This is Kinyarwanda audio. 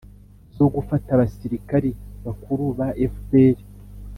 zo gufata abasirikari bakuru ba fpr.